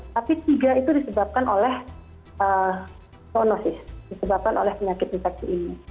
tapi tiga itu disebabkan oleh psonosis disebabkan oleh penyakit infeksi ini